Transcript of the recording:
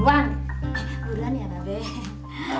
luang ya mbak b